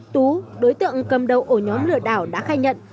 tú đối tượng cầm đầu ổ nhóm lừa đảo đã khai nhận